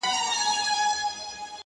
دا د مشکو رباتونه خُتن زما دی.!